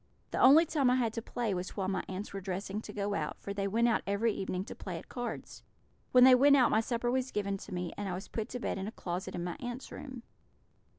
The only time I had to play was while my aunts were dressing to go out, for they went out every evening to play at cards. When they went out my supper was given to me, and I was put to bed in a closet in my aunts' room.